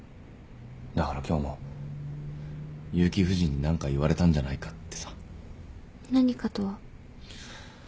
だから今日も結城夫人に何か言われたんじゃないかってさ。「何か」とは？